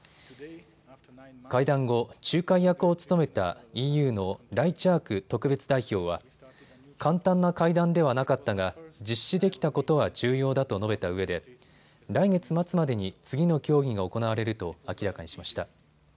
会談後、仲介役を務めたＥＵのライチャーク特別代表は簡単な会談ではなかったが実施できたことは重要だと述べたうえで来月末までに次の協議が行われると明らかにしました。